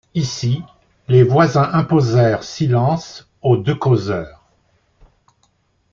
Ici les voisins imposèrent silence aux deux causeurs.